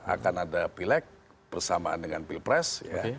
akan ada pilek bersamaan dengan pilpres